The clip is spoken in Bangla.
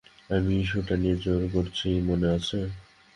আমিই ইস্যুটা নিয়ে জোর করেছি, মনে আছে?